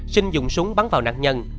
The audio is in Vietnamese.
sinh dùng súng bắn vào nạn nhân